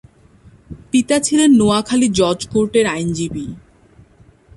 পিতা ছিলেন নোয়াখালী জজ কোর্টের আইনজীবী।